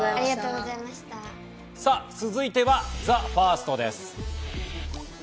続いてはＴＨＥＦＩＲＳＴです。